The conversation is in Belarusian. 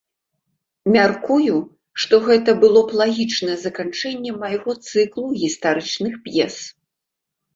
Мяркую, гэта было б лагічнае заканчэнне майго цыклу гістарычных п'ес.